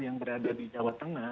yang berada di jawa tengah